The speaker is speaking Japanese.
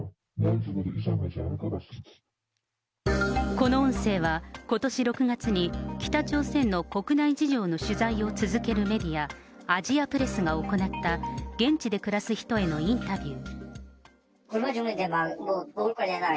この音声は、ことし６月に北朝鮮の国内事情の取材を続けるメディア、アジアプレスが行った、現地で暮らす人へのインタビュー。